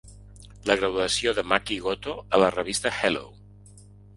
La graduació de Maki Goto a la revista Hello!